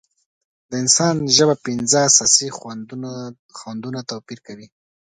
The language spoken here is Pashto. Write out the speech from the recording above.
د انسان ژبه پنځه اساسي خوندونه توپیر کوي.